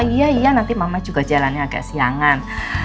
iya iya nanti mama juga jalannya agak siangan